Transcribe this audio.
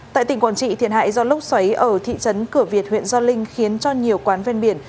tại tỉnh quảng trị thiệt hại do lốc xoáy ở thị trấn cửa việt huyện gio linh khiến cho nhiều quán ven biển